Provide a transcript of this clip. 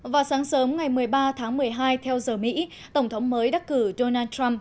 vào sáng sớm ngày một mươi ba tháng một mươi hai theo giờ mỹ tổng thống mới đắc cử donald trump